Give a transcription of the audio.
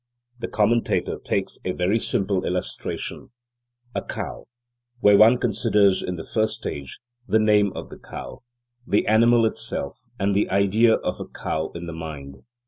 The commentator takes a very simple illustration: a cow, where one considers, in the first stage, the name of the cow, the animal itself and the idea of a cow in the mind.